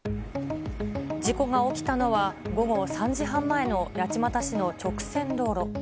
事故が起きたのは、午後３時半前の八街市の直線道路。